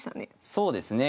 そうですね。